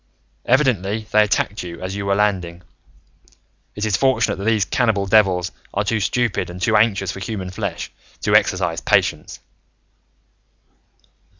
Evidently, they attacked you as you were landing. It is fortunate that these cannibal devils are too stupid and too anxious for human flesh to exercise patience."